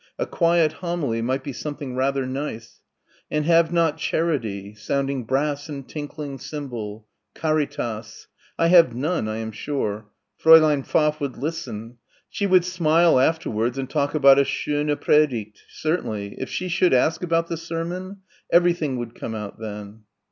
a quiet homily might be something rather nice ... and have not Charity sounding brass and tinkling cymbal.... Caritas ... I have none I am sure.... Fräulein Pfaff would listen. She would smile afterwards and talk about a "schöne Predigt" certainly.... If she should ask about the sermon? Everything would come out then.